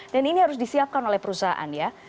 dan ini harus disiapkan oleh perusahaan ya